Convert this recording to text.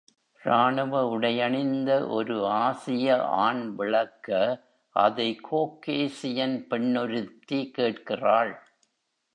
ராணுவ உடையணிந்த ஒரு ஆசிய ஆண் விளக்க, அதை Caucasian பெண்ணொருத்தி கேட்கிறாள்.